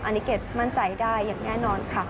อันนี้เกรดมั่นใจได้อย่างแน่นอนค่ะ